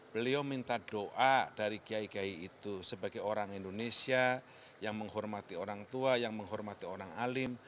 beliau minta doa dari kiai kiai itu sebagai orang indonesia yang menghormati orang tua yang menghormati orang alim